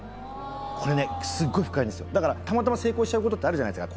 これねスゴい深いんですよだからたまたま成功しちゃうことってあるじゃないですか